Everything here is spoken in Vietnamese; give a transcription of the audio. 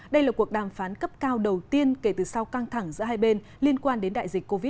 đây là cuộc đàm phán cấp cao đầu tiên kể từ sau căng thẳng giữa hai bên liên quan đến đại dịch covid một mươi chín